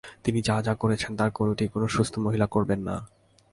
তিনি যা যা করেছেন তার কোনোটিই কোনো সুস্থ মহিলা করবেন না।